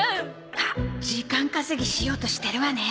あっ時間稼ぎしようとしてるわね